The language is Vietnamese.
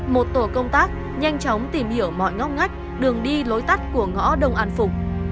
một tổ công tác nhanh chóng tìm hiểu mọi ngóc ngách đường đi lối tắt của ngõ đông an phục